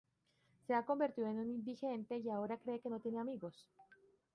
Se ha convertido en un indigente, y ahora cree que no tiene amigos.